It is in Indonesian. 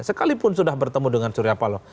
sekalipun sudah bertemu dengan suryapalo